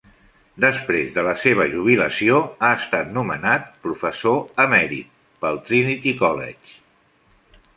Després de la seva jubilació ha estat nomenat "Professor emèrit" pel Trinity College.